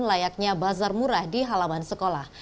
layaknya bazar murah di halaman sekolah